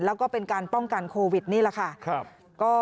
แล้วก็เป็นการป้องกันโควิดนี่แหละค่ะ